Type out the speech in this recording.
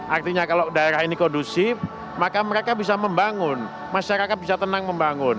artinya kalau daerah ini kondusif maka mereka bisa membangun masyarakat bisa tenang membangun